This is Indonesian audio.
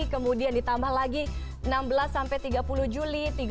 kemudian ditambah lagi enam belas sampai tiga puluh juli